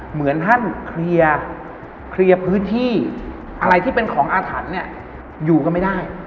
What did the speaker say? เหมือนท่านเคลียร์พื้นที่อะไรที่เป็นของอาถรรพ์เนี่ยอยู่กันไม่ได้